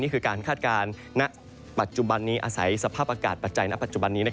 การคาดการณ์ณปัจจุบันนี้อาศัยสภาพอากาศปัจจัยณปัจจุบันนี้